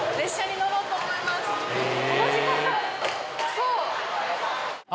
そう。